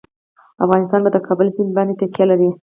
افغانستان په د کابل سیند باندې تکیه لري.